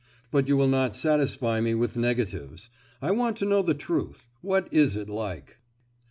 But you will not satisfy me with negatives. I want to know the truth; what is it like?"